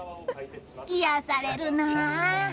癒やされるな！